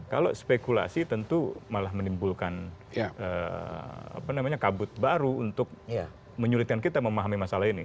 kalau spekulasi tentu malah menimbulkan kabut baru untuk menyulitkan kita memahami masalah ini